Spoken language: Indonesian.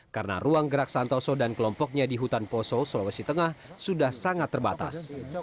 karena ruang gerak santoso dan kelompoknya di hutan poso sulawesi tengah sudah sangat terbatas